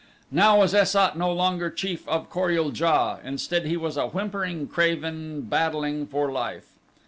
Now was Es sat no longer chief of Kor ul JA instead he was a whimpering craven battling for life.